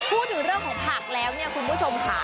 พูดถึงเรื่องของผักแล้วเนี่ยคุณผู้ชมค่ะ